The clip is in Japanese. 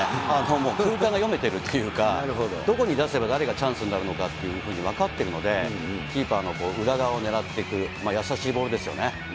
もう展開が読めてるというか、どこに出せば誰がチャンスになるのかっていうのを分かってるので、キーパーの裏側を狙っていく、ボールですよね。